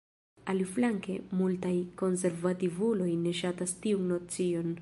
Aliflanke multaj konservativuloj ne ŝatas tiun nocion.